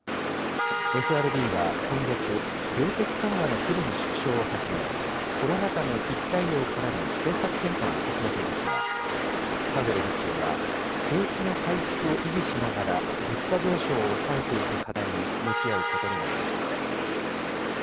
ＦＲＢは今月、量的緩和の規模の縮小を始め、コロナ禍の危機対応からの政策転換を進めていますが、パウエル議長は、景気の回復を維持しながら物価上昇を抑えていく課題に向き合うことになります。